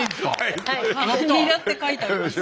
「ニラ」って書いてあります。